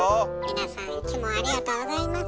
皆さんいつもありがとうございます。